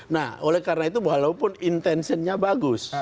nah oleh karena itu walaupun intensionnya bagus